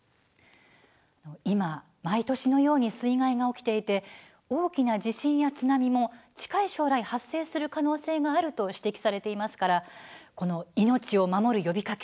今、毎年のように水害が起きていて大きな地震や津波も近い将来、発生する可能性があると指摘されていますからこの命を守る呼びかけ